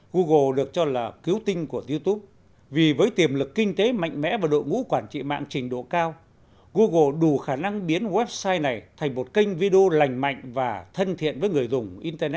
google được cho là cứu tinh của youtube vì với tiềm lực kinh tế mạnh mẽ và đội ngũ quản trị mạng trình độ cao google đủ khả năng biến website này thành một kênh video lành mạnh và thân thiện với người dùng internet